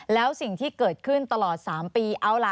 แล้วสิ่งที่เกิดขึ้นตลอด๓ปีเอาล่ะ